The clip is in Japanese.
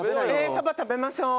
そば食べましょう。